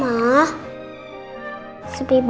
kayaknya gue barusan coba